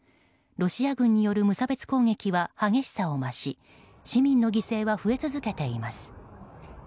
ロシア軍による無差別攻撃は激しさを増し市民の犠牲は増え続けています。